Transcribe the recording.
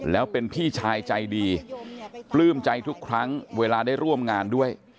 แล้วเป็นพี่ชายใจดีปลื้มใจทุกครั้งเวลาได้ร่วมงานด้วย